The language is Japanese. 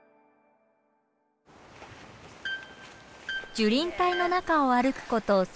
樹林帯の中を歩くこと３０分。